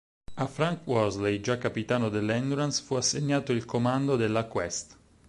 A Frank Worsley, già capitano dell"'Endurance" fu assegnato il comando della "Quest".